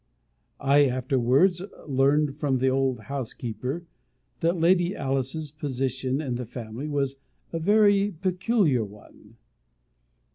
I afterwards learned from the old house keeper, that Lady Alice's position in the family was a very peculiar one.